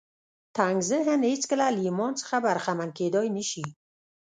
تنګ ذهن هېڅکله له ایمان څخه برخمن کېدای نه شي